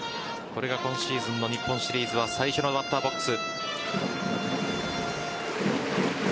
これが今シーズンの日本シリーズは最初のバッターボックス。